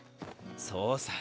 そうさ